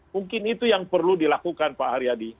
mungkin itu yang perlu dilakukan pak haryadi